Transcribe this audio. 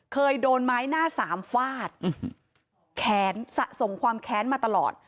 เคยโดนไม้หน้าสามฟาดแค้นสะสมความแค้นมาตลอด